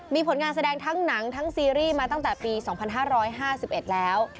มีผลงานแสดงทั้งหนังทั้งซีรีส์มาตั้งแต่ปี๒๕๕๑แล้ว